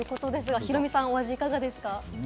ヒロミさん、いかがですか？